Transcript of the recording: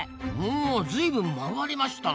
おずいぶん曲がりましたな。